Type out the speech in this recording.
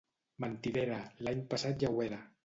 —Mentidera! —L'any passat ja ho era!